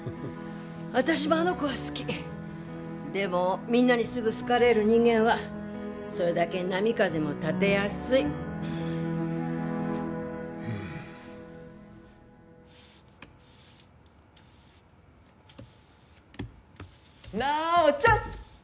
私もあの子は好きでもみんなにすぐ好かれる人間はそれだけ波風も立てやすいなーおちゃん！